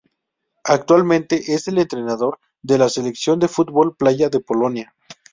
Actualmente es el entrenador de la selección de fútbol playa de Polonia.